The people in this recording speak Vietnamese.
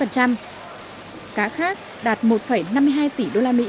cá khác đạt một năm mươi hai tỷ usd